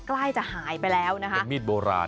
ไข้จะหายไปแล้วนะคะมีดโบราณ